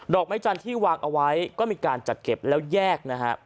อกไม้จันทร์ที่วางเอาไว้ก็มีการจัดเก็บแล้วแยกนะฮะ